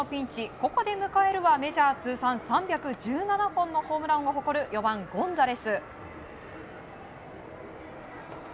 ここで迎えるはメジャー通算３１７本のホームランを誇る４番ゴンザレス。